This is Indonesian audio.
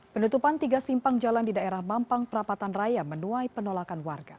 penutupan tiga simpang jalan di daerah mampang perapatan raya menuai penolakan warga